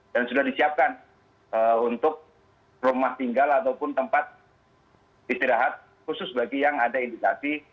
dan sudah disiapkan untuk rumah tinggal ataupun tempat istirahat khusus bagi yang ada indikasi